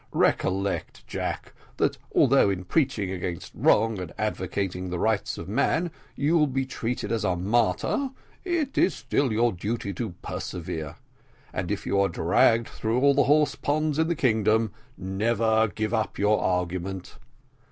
Recollect, Jack, that although in preaching against wrong and advocating the rights of man, you will be treated as a martyr, it is still your duty to persevere; and if you are dragged through all the horse ponds in the kingdom, never give up your argument."